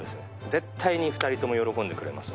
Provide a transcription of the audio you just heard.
絶対に２人とも喜んでくれます